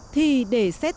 thì để xét xét